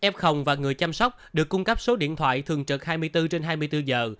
f và người chăm sóc được cung cấp số điện thoại thường trực hai mươi bốn trên hai mươi bốn giờ